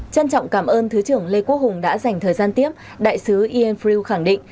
trân trọng cảm ơn thứ trưởng lê quốc hùng đã dành thời gian tiếp đại sứ infrill khẳng định